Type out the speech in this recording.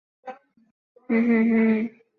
它也是奇尔特恩区属下的一个民政教区。